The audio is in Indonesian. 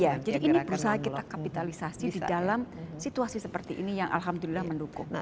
jadi ini perusahaan kita kapitalisasi di dalam situasi seperti ini yang alhamdulillah mendukung